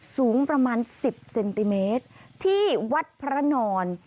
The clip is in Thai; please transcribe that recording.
สูงประมาณ๑๐เซนติเมตรที่วัดพระนอน